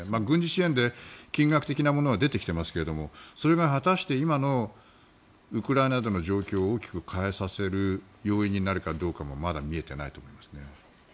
軍事支援で金額的なものは出ていますけれどそれが果たして今のウクライナでの状況を大きく変えさせる要因になるかどうかもまだ見えてないと思います。